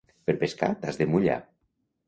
Per pescar t'has de mullar.